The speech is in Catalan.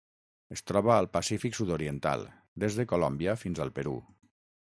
Es troba al Pacífic sud-oriental: des de Colòmbia fins al Perú.